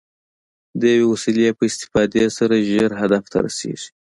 د یوې وسیلې په استفادې سره ژر هدف ته رسېږي.